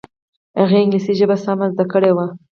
هغې انګلیسي ژبه سمه زده کړې وه